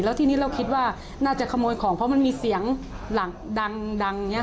แล้วที่นี่เราคิดว่าน่าจะขโมยของเพราะมันมีเสียงดังอย่างนี้ค่ะ